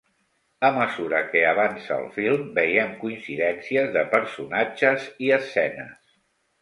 A mesura que avança el film, veiem coincidències de personatges i escenes.